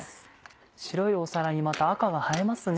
白い皿にまた赤が映えますね。